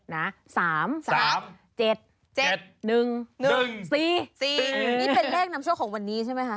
นี่เป็นเลขนำโชคของวันนี้ใช่ไหมคะ